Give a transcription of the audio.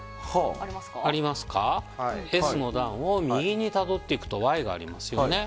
Ｓの段を右にたどっていくとＹがありますよね。